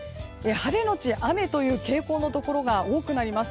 晴れのち雨という傾向のところが多くなります。